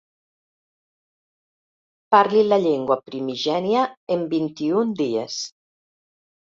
Parli la llengua primigènia en vint-i-un dies.